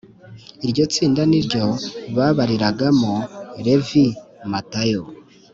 iryo tsinda niryo babariragamo levi matayo,